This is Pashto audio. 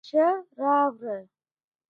واښه راوړه؟